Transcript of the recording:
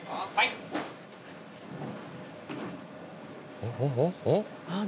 おっ！